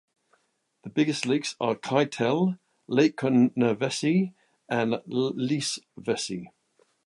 The biggest lakes are Keitele, Lake Konnevesi and Liesvesi.